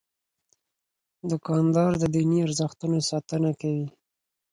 دوکاندار د دیني ارزښتونو ساتنه کوي.